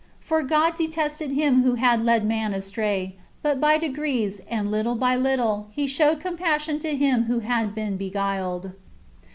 For God detested him who had led man astray, but by degrees, and little by little, He showed compassion to him who had been beguiled.